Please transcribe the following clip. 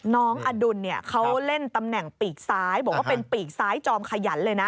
น้องอดุลเนี่ยเขาเล่นตำแหน่งปีกซ้ายบอกว่าเป็นปีกซ้ายจอมขยันเลยนะ